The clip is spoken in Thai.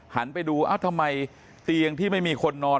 หันไปดูเอ้าทำไมเตียงที่ไม่มีคนนอน